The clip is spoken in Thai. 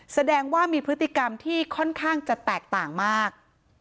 แสดงว่ามีพฤติกรรมที่ค่อนข้างจะแตกต่างมาก